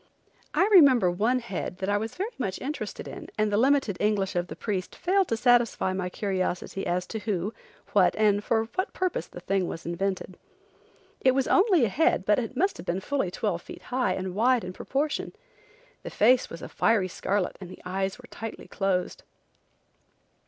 I remember one head that I was very much interested in and the limited English of the priest failed to satisfy my curiosity as to who, what, and for what purpose the thing was invented. It was only a head but must have been fully twelve feet high and wide in proportion. The face was a fiery scarlet and the eyes were tightly closed.